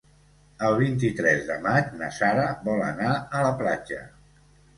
El vint-i-tres de maig na Sara vol anar a la platja.